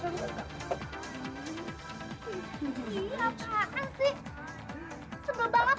mas erwin datang